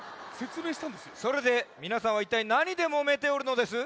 それでみなさんはいったいなにでもめておるのです？